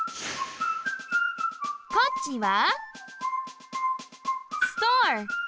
こっちはオ！？